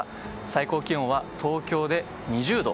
最高気温は東京で２０度。